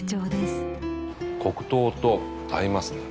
黒糖と合いますね。